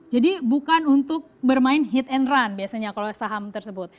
jadi bukan untuk bermain hit and run biasanya kalau saham tersebut